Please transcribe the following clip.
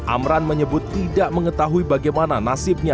amran menyebut tidak mengetahui bagaimana nasibnya